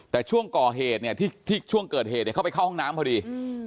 แต่ช่วงเกิดเหตุเข้าไปเข้าห้องน้ำพอดี